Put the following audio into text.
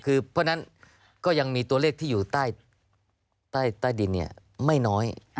เพราะฉะนั้นก็ยังมีตัวเลขที่อยู่ใต้ดินไม่น้อย